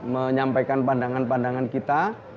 menyampaikan pandangan pandangan kita